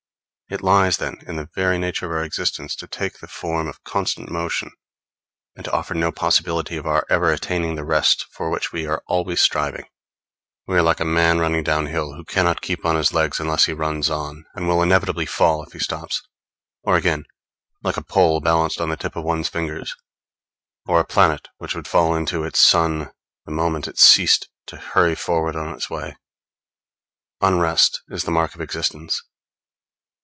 It lies, then, in the very nature of our existence to take the form of constant motion, and to offer no possibility of our ever attaining the rest for which we are always striving. We are like a man running downhill, who cannot keep on his legs unless he runs on, and will inevitably fall if he stops; or, again, like a pole balanced on the tip of one's finger; or like a planet, which would fall into its sun the moment it ceased to hurry forward on its way. Unrest is the mark of existence.